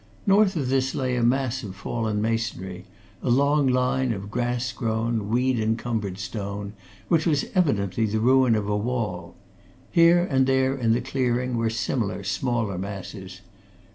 North of this lay a mass of fallen masonry, a long line of grass grown, weed encumbered stone, which was evidently the ruin of a wall; here and there in the clearing were similar smaller masses.